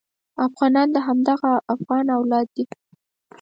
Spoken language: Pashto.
افغانان د همدغه افغان اولاد دي.